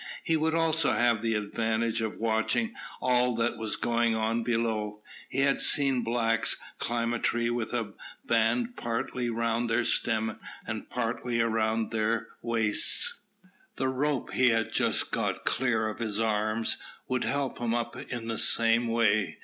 He would also have the advantage of watching all that was going on below. He had seen blacks climb a tree with a band partly round their stem and partly round their waists. The rope he had just got clear of his arms would help him up in the same way.